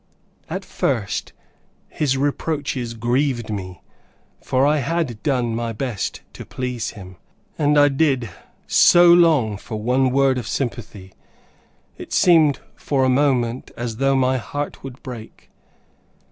At first, his reproaches grieved me, for I had done my best to please him, and I did so long for one word of sympathy, it seemed for a moment, as though my heart would break.